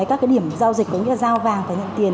các cái điểm giao dịch có nghĩa là giao vàng và nhận tiền